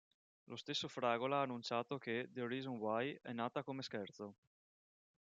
Lo stesso Fragola ha annunciato che "The Reason Why" è nata come scherzo.